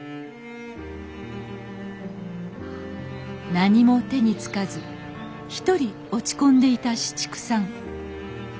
何も手に付かずひとり落ち込んでいた紫竹さん。